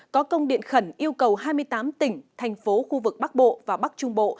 có công điện khẩn yêu cầu hai mươi tám tỉnh thành phố khu vực bắc bộ và bắc trung bộ